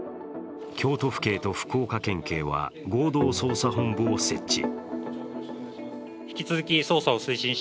京都府警と福岡県警は合同捜査本部を設置。